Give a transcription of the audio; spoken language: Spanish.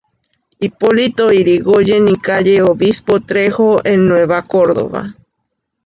Hipólito Yrigoyen y calle Obispo Trejo, en Nueva Córdoba.